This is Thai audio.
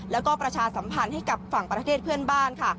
แล้วก็ประชาสัมพันธ์ให้กับฝั่งประเทศเพื่อนบ้านค่ะ